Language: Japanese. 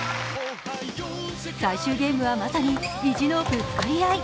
最終ゲームはまさに意地のぶつかり合い。